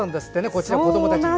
こちら、子どもたちに。